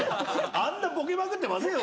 あんなボケまくってませんよ